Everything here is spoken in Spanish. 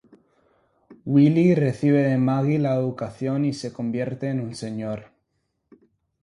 Willie recibe de Maggie la educación y se convierte en un Señor.